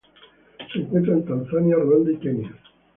Se encuentra en Tanzania, Ruanda, y Kenia.